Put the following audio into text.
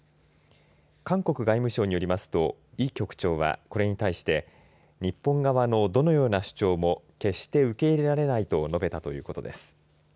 韓国外務省によりますとイ局長はこれに対して日本側のどのような主張も決して受け入れられないと述べたということです。